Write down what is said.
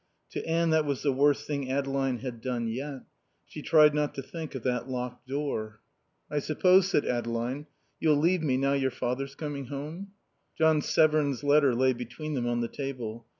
To Anne that was the worst thing Adeline had done yet. She tried not to think of that locked door. "I suppose," said Adeline, "you'll leave me now your father's coming home?" John Severn's letter lay between them on the table.